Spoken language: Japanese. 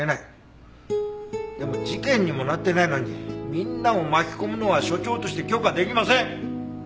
でも事件にもなってないのにみんなを巻き込むのは所長として許可出来ません！